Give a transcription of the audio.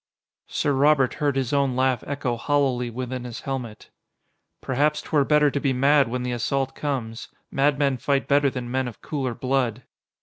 Sir Robert heard his own laugh echo hollowly within his helmet. "Perhaps 'twere better to be mad when the assault comes. Madmen fight better than men of cooler blood."